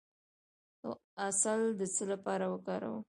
د عسل د څه لپاره وکاروم؟